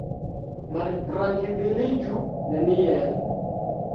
Maltrankviliĝu neniel.